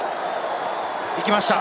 行きました。